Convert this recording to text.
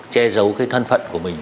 che giấu cái thân phận của mình